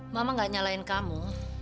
mama gak nyalain kamu